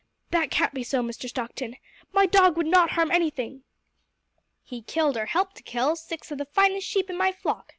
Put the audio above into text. "That can't be so, Mr. Stockton. My dog would not harm anything." "He killed or helped to kill six of the finest sheep in my flock!"